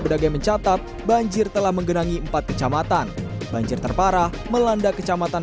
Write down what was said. pedagang mencatat banjir telah menggenangi empat kecamatan banjir terparah melanda kecamatan